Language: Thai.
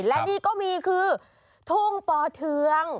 และนี่ก็มีคือทุ่งป่อเทือง